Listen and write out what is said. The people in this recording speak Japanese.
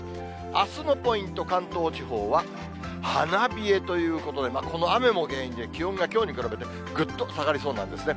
あすのポイント、関東地方は花冷えということで、この雨も原因で、気温がきょうに比べてぐっと下がりそうなんですね。